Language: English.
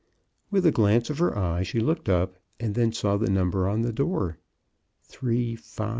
With a glance of her eye she looked up, and then saw the number on the door — 353.